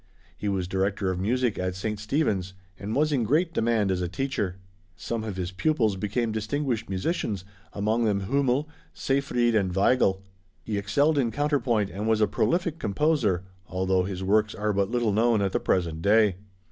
He was director of music at St. Stephen's and was in great demand as a teacher. Some of his pupils became distinguished musicians, among them Hümmel, Seyfried and Weigl. He excelled in counterpoint, and was a prolific composer, although his works are but little known at the present day.